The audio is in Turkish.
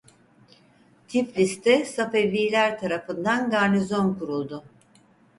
Tiflis'te Safeviler tarafından garnizon kuruldu.